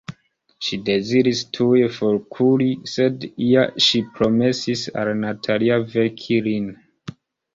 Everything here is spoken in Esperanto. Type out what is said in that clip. Ŝi deziris tuj forkuri, sed ja ŝi promesis al Natalia veki lin.